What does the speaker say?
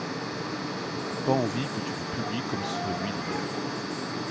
Pas envie que tu le publies comme celui d'hier.